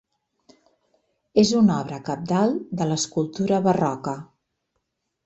És una obra cabdal de l'escultura barroca.